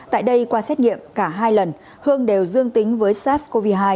tại đây qua xét nghiệm cả hai lần hương đều dương tính với sars cov hai